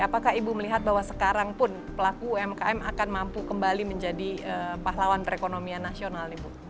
apakah ibu melihat bahwa sekarang pun pelaku umkm akan mampu kembali menjadi pahlawan perekonomian nasional ibu